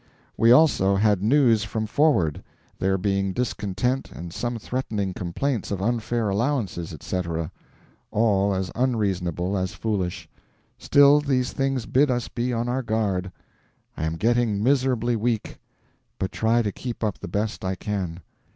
We also had news from forward, there being discontent and some threatening complaints of unfair allowances, etc., all as unreasonable as foolish; still, these things bid us be on our guard. I am getting miserably weak, but try to keep up the best I can.